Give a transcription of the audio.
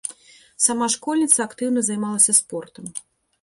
Сама школьніца актыўна займалася спортам.